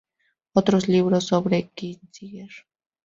Otros libros sobre Kissinger